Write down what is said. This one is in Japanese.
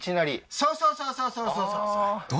そうそうそうそうそうそうそうそう